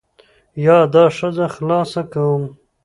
یا دا ښځه خلاصه کوم.